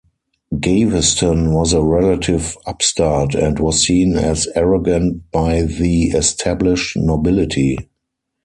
Gaveston was a relative upstart, and was seen as arrogant by the established nobility.